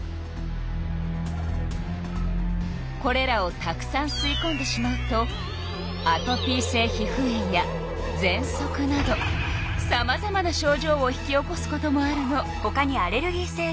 これらをたくさんすいこんでしまうとアトピー性皮膚炎やぜんそくなどさまざまなしょうじょうを引き起こすこともあるの。